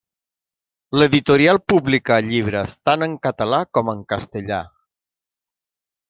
L'editorial publicà llibres tant en català com en castellà.